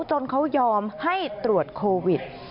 จนเขายอมให้ตรวจโควิด